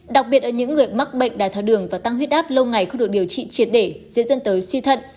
đặc biệt ở những người mắc bệnh đài tháo đường và tăng huyết áp lâu ngày không được điều trị triệt để dễ dân tới suy thận